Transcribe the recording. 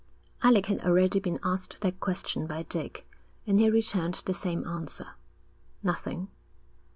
Alec had already been asked that question by Dick, and he returned the same answer. 'Nothing.'